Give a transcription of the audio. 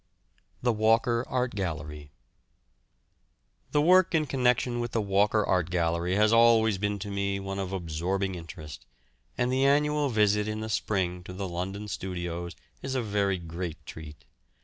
THE WALKER ART GALLERY. The work in connection with the Walker Art Gallery has always been to me one of absorbing interest, and the annual visit in the spring to the London studios a very great treat.